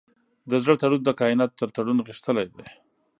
د زړه تړون د کایناتو تر تړون غښتلی دی.